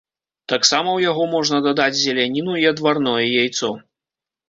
Таксама ў яго можна дадаць зеляніну і адварное яйцо.